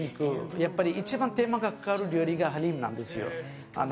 やっぱり一番手間がかかる料理がハリームなんですよ。